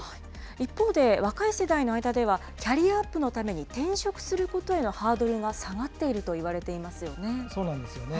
一方で若い世代の間では、キャリアアップのために転職することへのハードルが下がっているそうなんですよね。